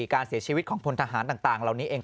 การเสียชีวิตของพลทหารต่างเหล่านี้เอง